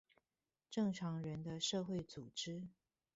正常人的社會組織